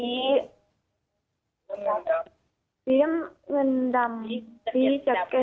เงินดำ